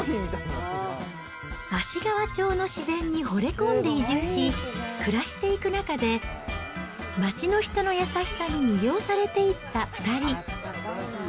芦川町の自然にほれ込んで移住し、暮らしていく中で、町の人の優しさに魅了されていった２人。